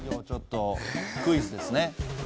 ちょっとクイズですね。